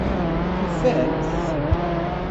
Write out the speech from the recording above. Tufam-t?